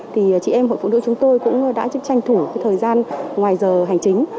thì chị em hội phụ nữ chúng tôi cũng đã tranh thủ thời gian ngoài giờ hành chính